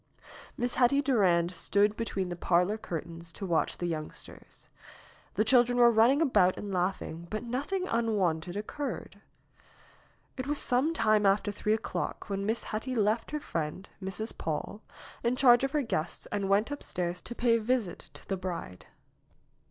Miss Hetty Durand stood behind the parlor curtains to watch the youngsters. The children were running about and laughing, but nothing unwonted occurred. It was some time after three o'clock when Miss Hetty left her friend, Mrs. Paule, in charge of her guests and went upstairs to pay a visit to the bride.